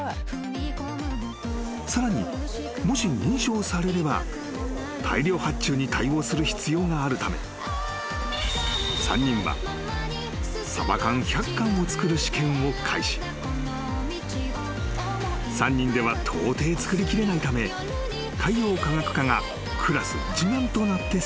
［さらにもし認証されれば大量発注に対応する必要があるため３人は］［３人ではとうてい作りきれないため海洋科学科がクラス一丸となって製造］